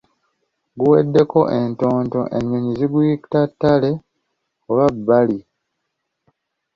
Guweddeko entonto enyonyi ziguyita ttale oba bbali.